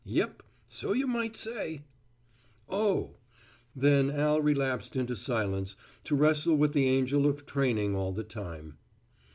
"Yep. So you might say." "Oh," then Al relapsed into silence to wrestle with the angel of training all the time.